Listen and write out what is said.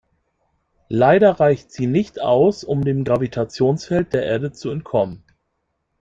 Leider reicht sie nicht aus, um dem Gravitationsfeld der Erde zu entkommen.